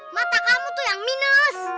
mata kamu tuh yang minus